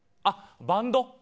バンド。